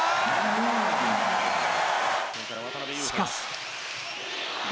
しかし。